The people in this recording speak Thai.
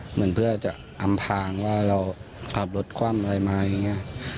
เหมือนเพื่อจะอำทางว่าเราขับรถคว่ำอะไรมา